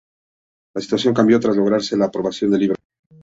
La situación cambió tras lograrse la aprobación del libro.